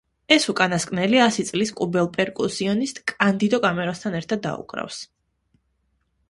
ეს უკანასკნელი ასი წლის კუბელ პერკუსიონისტ, კანდიდო კამეროსთან ერთად დაუკრავს.